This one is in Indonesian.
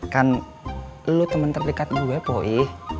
kan lu temen terdekat gue po ii